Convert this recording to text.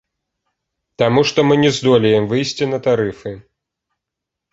Таму што мы не здолеем выйсці на тарыфы.